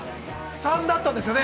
◆３だったんですよね。